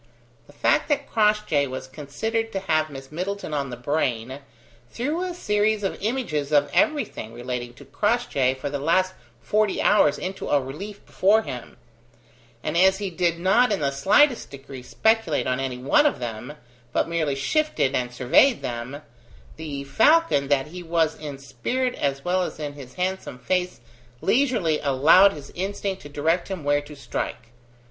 The fact that Crossjay was considered to have Miss Middleton on the brain, threw a series of images of everything relating to Crossjay for the last forty hours into relief before him: and as he did not in the slightest degree speculate on any one of them, but merely shifted and surveyed them, the falcon that he was in spirit as well as in his handsome face leisurely allowed his instinct to direct him where to strike.